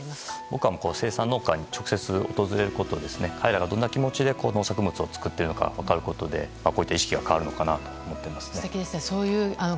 僕は生産農家に直接、訪れることで彼らがどんな気持ちでこの農作物を作っているのか分かることでこういった意識が変わるのかなと思っています。